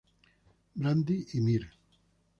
Brandy y Mr.